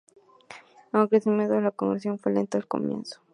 El crecimiento de la congregación fue lento al comienzo.